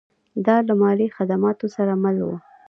دا له مالي خدماتو سره مل و